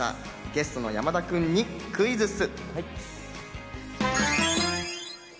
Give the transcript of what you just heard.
ゲストの山田君にクイズッス。